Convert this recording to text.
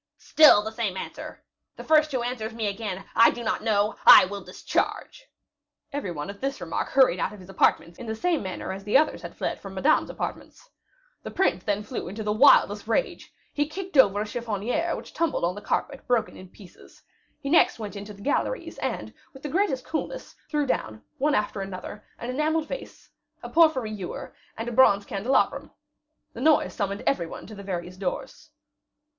"Still the same answer. The first one who answers me again, 'I do not know,' I will discharge." Every one at this remark hurried out of his apartments, in the same manner as the others had fled from Madame's apartments. The prince then flew into the wildest rage. He kicked over a chiffonier, which tumbled on the carpet, broken into pieces. He next went into the galleries, and with the greatest coolness threw down, one after another, an enameled vase, a porphyry ewer, and a bronze candelabrum. The noise summoned every one to the various doors.